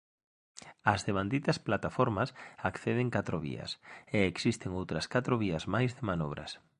Ás devanditas plataformas acceden catro vías e existen outras catro vías máis de manobras.